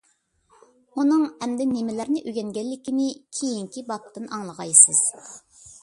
ئۇنىڭ ئەمدى نېمىلەرنى ئۆگەنگەنلىكىنى كېيىنكى بابتىن ئاڭلىغايسىز.